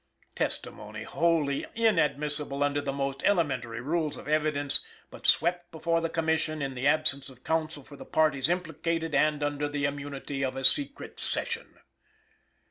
Testimony wholly inadmissible under the most elementary rules of evidence, but swept before the Commission in the absence of counsel for the parties implicated and under the immunity of a secret session.